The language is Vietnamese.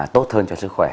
tốt hơn cho sức khỏe